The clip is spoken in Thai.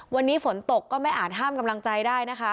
วันนี้ฝนตกก็ไม่อาจห้ามกำลังใจได้นะคะ